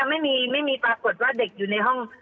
ไม่มีปรากฏเหรอว่าเด็กอยู่ในห้อง